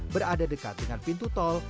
berada dekat dengan pintu tol